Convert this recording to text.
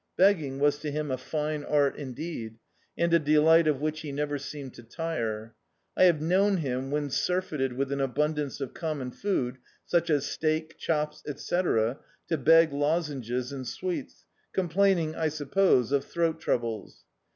Bering was to him a fine art, indeed, and a delight of which he never seemed to tire. I have known him, when surfeited with an abundance of common food, such as steak, chops, etc. — to beg lozenges and sweets, complain ing I suppose, of throat troubles.